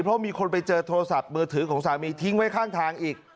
เพราะมีคนไปเจอโทรศัพท์มือถือของสามีทิ้งไว้ข้างทางอีก